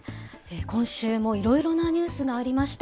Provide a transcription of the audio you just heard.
今週もいろいろなニュースがありました。